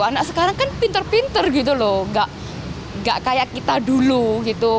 anak sekarang kan pinter pinter gitu loh gak kayak kita dulu gitu